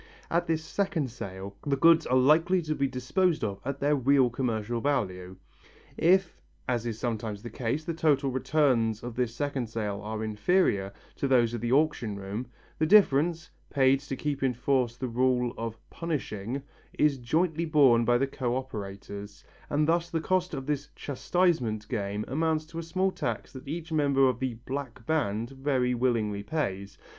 At this second sale the goods are likely to be disposed of at their real commercial value. If, as is sometimes the case, the total returns of this second sale are inferior to those of the auction room, the difference, paid to keep in force the rule of "punishing," is jointly borne by the co operators, and thus the cost of this "chastisement" game amounts to a small tax that each partner of the "black band" very willingly pays.